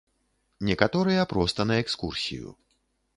Некаторыя проста на экскурсію.